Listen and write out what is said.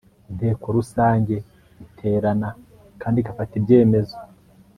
Inteko rusange itrana kandi igafata ibyemezo